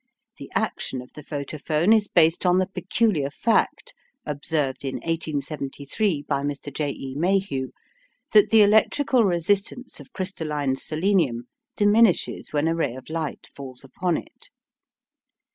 The action of the photophone is based on the peculiar fact observed in 1873 by Mr J E Mayhew, that the electrical resistance of crystalline selenium diminishes when a ray of light falls upon it.